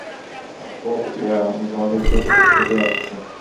ওহ yeah, আমি তোমাকে খেতে আসছি।